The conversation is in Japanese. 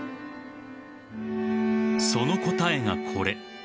その答えが、これ。